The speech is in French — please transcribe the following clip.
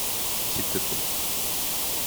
S’il te plait.